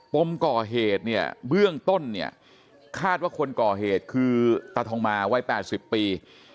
ปมก่อเหตุเนี่ยเบื้องต้นเนี่ยคาดว่าคนก่อเหตุคือตาทองมาวัย๘๐ปี